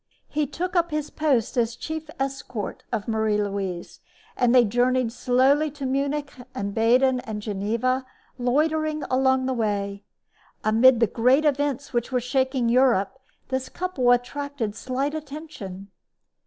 He took up his post as chief escort of Marie Louise, and they journeyed slowly to Munich and Baden and Geneva, loitering on the way. Amid the great events which were shaking Europe this couple attracted slight attention.